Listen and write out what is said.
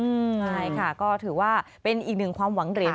ใช่ค่ะก็ถือว่าเป็นอีกหนึ่งความหวังเหรียญ